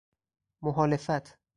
محالفت